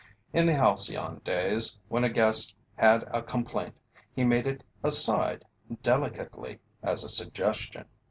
In the halcyon days when a guest had a complaint, he made it aside, delicately, as a suggestion.